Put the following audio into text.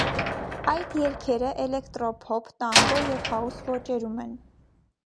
Այդ երգերը էլեքտռոփոփ, տանգո և հաուս ոճերում են։